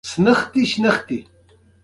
مېوې د افغان ځوانانو د هیلو استازیتوب کوي.